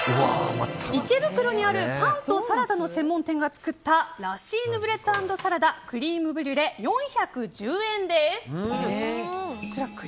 池袋にあるパンとサラダの専門店が作ったラシーヌブレッド＆サラダクレームブリュレ、４１０円です。